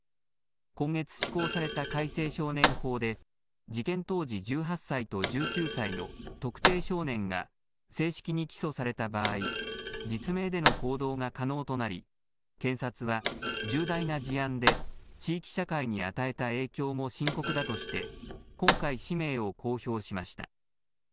今月施行された改正少年法で、事件当時１８歳と１９歳の特定少年が正式に起訴された場合、実名での報道が可能となり、検察は、重大な事案で地域社会に与えた影響も深刻だとして、今回、氏名を公表しました。